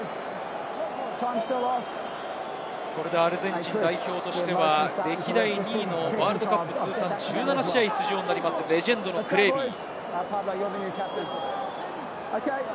これでアルゼンチン代表としては歴代２位のワールドカップ通算１７試合出場になります、レジェンドのクレービー。